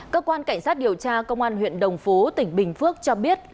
cơ quan cảnh sát điều tra công an huyện đồng phú tỉnh bình phước cho biết